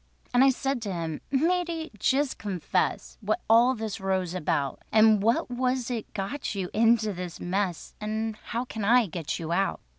And I said to him, "Matey, just confess What all of this row's about, And what was it got you into this mess, And how can I get you out?"